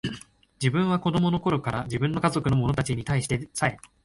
自分は子供の頃から、自分の家族の者たちに対してさえ、